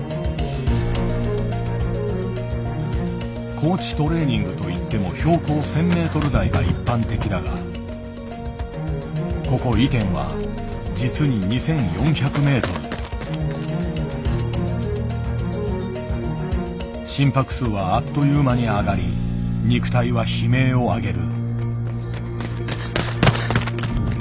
高地トレーニングといっても標高１，０００ｍ台が一般的だがここイテンは実に心拍数はあっという間に上がり肉体は悲鳴を上げる。